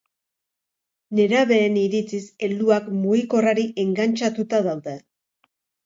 Nerabeen iritziz, helduak mugikorrari engantxatuta daude